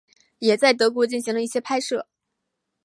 也在德国进行了一些拍摄。